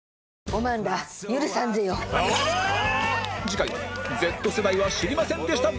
次回 Ｚ 世代は知りませんでした！